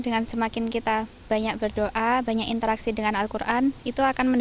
dengan semakin kita banyak berdoa banyak interaksi dengan al quran